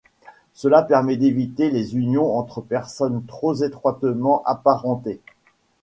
Cela permet d'éviter les unions entre personnes trop étroitement apparentées.